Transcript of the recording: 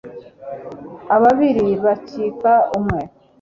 ababiri bakika umwe